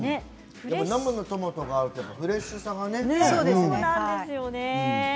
生のトマトがあるからフレッシュさがね。